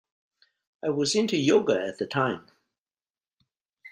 I was into yoga at the time.